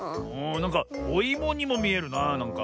なんかおいもにもみえるななんか。